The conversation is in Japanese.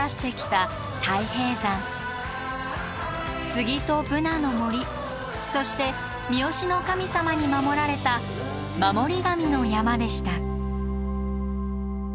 スギとブナの森そして三吉の神様に守られた守り神の山でした。